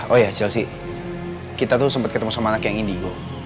oh ya chelsea kita tuh sempat ketemu sama anak yang indigo